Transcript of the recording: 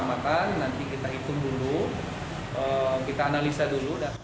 bahkan nanti kita ikun dulu kita analisa dulu